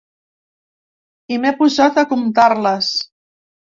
I m’he posat a comptar-les.